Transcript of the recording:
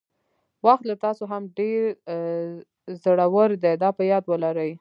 وخت له تاسو هم ډېر زړور دی دا په یاد ولرئ.